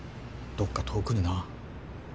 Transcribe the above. どっか遠くにな。